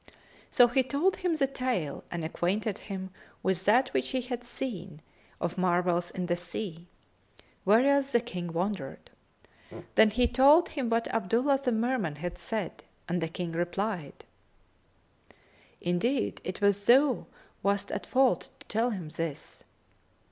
So he told him his tale and acquainted him with that which he had seen of marvels in the sea, whereat the King wondered. Then he told him what Abdullah the Merman had said[FN#275]; and the King replied, "Indeed 'twas thou wast at fault to tell him this."